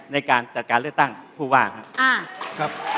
ในการจัดการเลือกตั้งผู้ว่าครับ